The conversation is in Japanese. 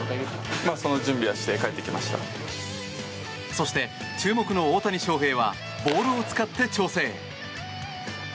そして、注目の大谷翔平はボールを使って調整。